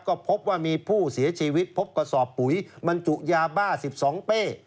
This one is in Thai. ก็พบว่ามีผู้เสียชีวิตพบกระสอบปุ๋ยบรรจุยาบ้า๑๒เป้